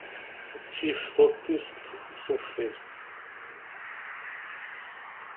Ttif tuṭṭist tuffiẓt.